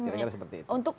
kira kira seperti itu